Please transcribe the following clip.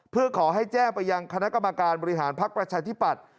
เพื่อขอให้แจ้งไปยังคณะกรรมการบริหารภักดิ์ประชาธิปัตย์